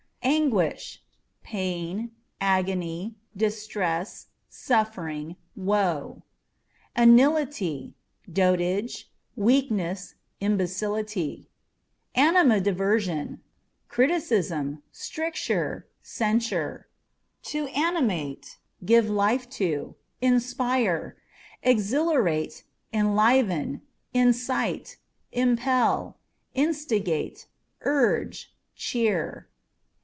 Anguish â€" pain, agony, distress, suffering, woe. Anilityâ€" dotage, weakness, imbecility. Animadversion â€" criticism, stricture, censure. To Animate â€" give life to, inspire, exhilarate, enliven, incite, impel, instigate, urge ; cheer.